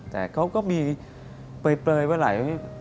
แต่เขาก็มีเปลยเวลา